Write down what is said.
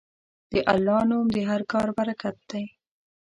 د الله نوم د هر کار برکت دی.